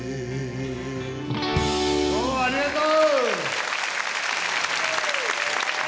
どうもありがとう！